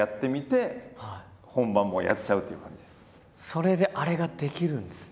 それであれができるんですね。